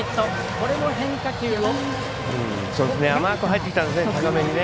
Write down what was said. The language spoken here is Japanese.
これも変化球を。